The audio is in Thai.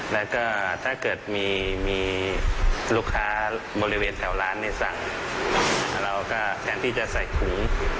แล้วก็ถ้าเกิดมีลูกค้าบริเวณแถวร้านเนี่ยสั่งเราก็แทนที่จะใส่ถุง